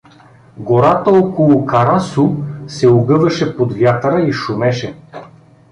Гората около Кара су се огъваше под вятъра и шумеше.